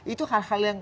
itu hal hal yang